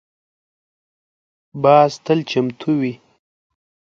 باز تل چمتو وي